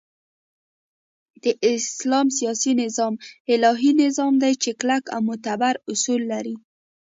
د اسلام سیاسی نظام الهی نظام دی چی کلک او معتبر اصول لری